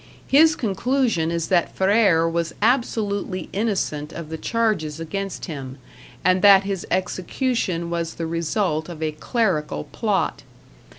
His conclusion is that Ferrer was absolutely innocent of the charges against him, and that his execution was the result of a clerical plot.